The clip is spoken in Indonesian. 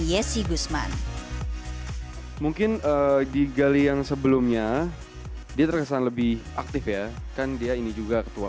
yesi gusman mungkin di gali yang sebelumnya dia terkesan lebih aktif ya kan dia ini juga ketua